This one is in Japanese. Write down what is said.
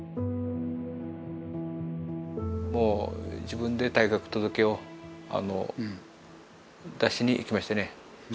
もう自分で退学届を出しにいきましてね。